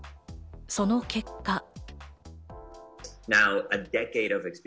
その結果。